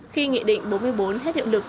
khi nghị định bốn mươi bốn hết hiệu lực